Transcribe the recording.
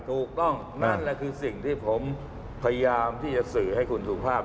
ถูกต้องนั่นแหละคือสิ่งที่ผมพยายามที่จะสื่อให้คุณสุภาพ